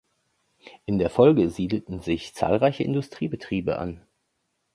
In der Folge siedelten sich zahlreiche Industriebetriebe an.